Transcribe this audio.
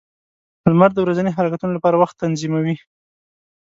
• لمر د ورځني حرکتونو لپاره وخت تنظیموي.